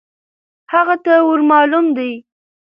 هغه ته ور مالوم دی .